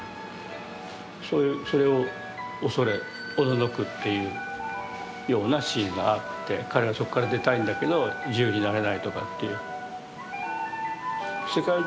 それを恐れおののくっていうようなシーンがあって彼はそこから出たいんだけど自由になれないとかという。